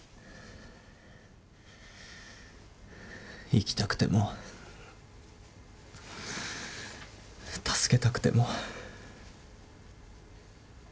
生きたくても助けたくても。